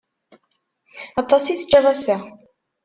Aṭas i teččiḍ ass-a.